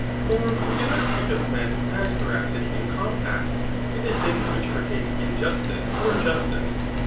For we do not speak <xf the man who has veracity in compacts, and in things which pertain to injustice ok justice